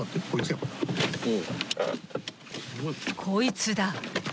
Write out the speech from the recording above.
［こいつだ］